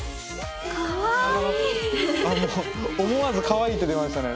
思わずかわいいって出ましたね